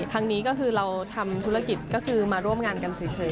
ครั้งนี้ก็คือเราทำธุรกิจก็คือมาร่วมงานกันเฉย